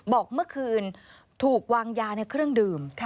บอกเมื่อคืนถูกวางยาในเครื่องดื่ม